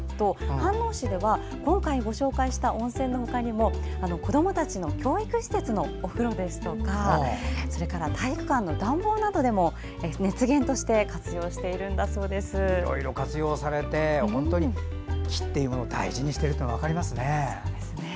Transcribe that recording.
飯能市では今回ご紹介した温泉のほかにも子どもたちの教育施設のお風呂や体育館の暖房などでも熱源としていろいろ活用されて木っていうものを大事にしてるのが分かりますね。